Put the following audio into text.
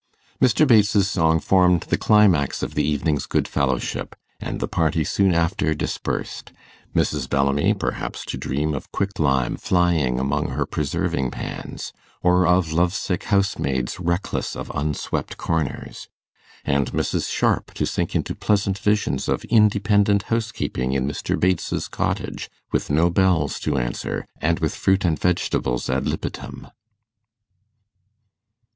Mr. Bates's song formed the climax of the evening's good fellowship, and the party soon after dispersed Mrs. Bellamy perhaps to dream of quicklime flying among her preserving pans, or of love sick housemaids reckless of unswept corners and Mrs. Sharp to sink into pleasant visions of independent housekeeping in Mr. Bates's cottage, with no bells to answer, and with fruit and vegetables ad libitum.